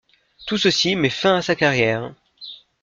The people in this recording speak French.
Tout ceci met fin à sa carrière.